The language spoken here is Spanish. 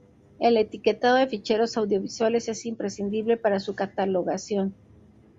El etiquetado de ficheros audiovisuales es imprescindible para su catalogación.